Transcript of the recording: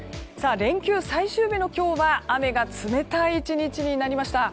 連休最終日の今日は雨が冷たい１日になりました。